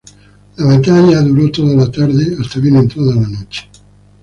La batalla duró toda la tarde hasta bien entrada la noche.